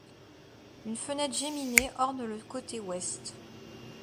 Une fenêtre géminée orne le côté ouest.